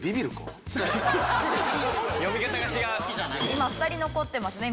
今２人残ってますね。